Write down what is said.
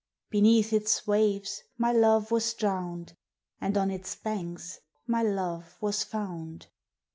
Beneath its waves my love was drowned And on its banks my love was found!"